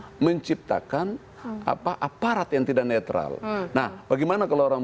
untuk menciptakan apa aparat yang tidak netral nah bagaimana kalau orang